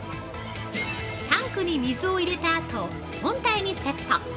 ◆タンクに水を入れたあと本体にセット。